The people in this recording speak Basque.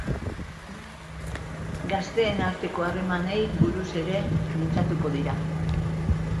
Gazteen arteko harremanei buruz ere mintzatuko dira.